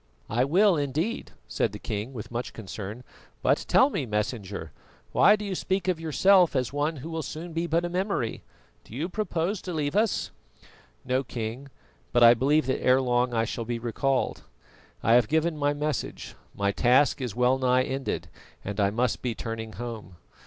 "I will indeed," said the king, with much concern. "But tell me, Messenger, why do you speak of yourself as of one who soon will be but a memory? Do you purpose to leave us?" "No, King, but I believe that ere long I shall be recalled. I have given my message, my task is well nigh ended and I must be turning home.